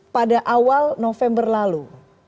pada awal november lalu